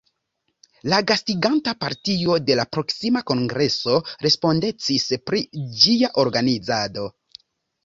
La gastiganta partio de la proksima kongreso respondecis pri ĝia organizado.